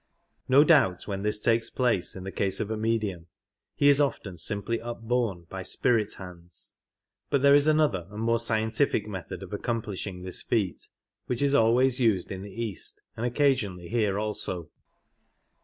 No doubt when this takes place in the case of a medium, he is often simply upborne by spirit hands," but there is another and more scientific method of accomplishing this feat which is always used in the East, and occasionally here also.